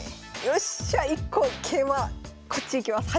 よっしゃ１個桂馬こっちいきます。